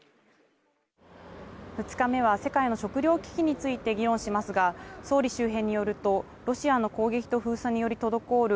２日目は世界の食料危機について議論しますが、総理周辺によると、ロシアの攻撃と封鎖により滞る